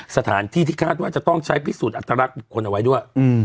สถานที่ที่คาดว่าจะต้องใช้พฤตอัตรรัคเงินคนเอาไว้ด้วย